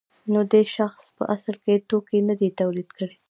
نو دې شخص په اصل کې توکي نه دي تولید کړي